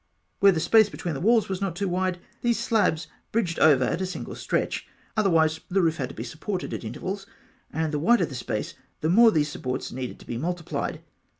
When the space between the walls was not too wide, these slabs bridged it over at a single stretch; otherwise the roof had to be supported at intervals, and the wider the space the more these supports needed to be multiplied.